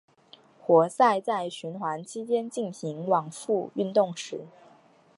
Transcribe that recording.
活塞在循环期间进行往复运动时。